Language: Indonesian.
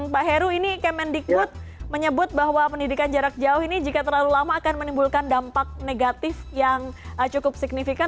pak heru ini kemendikbud menyebut bahwa pendidikan jarak jauh ini jika terlalu lama akan menimbulkan dampak negatif yang cukup signifikan